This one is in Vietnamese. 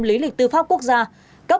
lý lịch tư pháp quốc gia